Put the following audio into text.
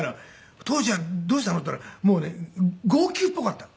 「お父ちゃんどうしたの？」って言ったらもうね号泣っぽかった。